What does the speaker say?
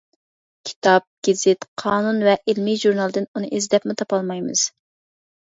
كىتاب، گېزىت، قانۇن ۋە ئىلمىي ژۇرنالدىن ئۇنى ئىزدەپمۇ تاپالمايمىز.